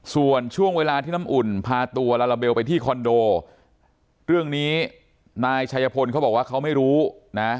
ส่วนช่วงเวลาที่น้ำอุ่นพาตัวลาลาเบลไปที่คอนโดเรื่องนี้นายชัยพลเขาบอกว่าเขาไม่รู้นะ